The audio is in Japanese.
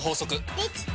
できた！